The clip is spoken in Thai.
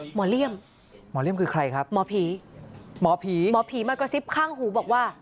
หมอเรียมหมอผีหมอผีมันกระซิบข้างหูบอกว่า